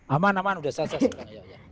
aman aman udah selesai sekarang ya